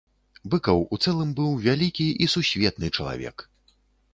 Быкаў у цэлым быў вялікі і сусветны чалавек.